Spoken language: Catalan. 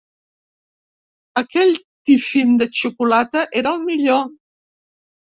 Aquell tiffin de xocolata era el millor!